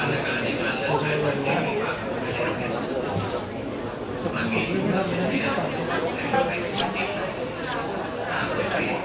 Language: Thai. สวัสดีครับ